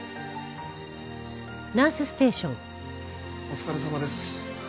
お疲れさまです。